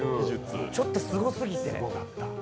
ちょっとすごすぎて。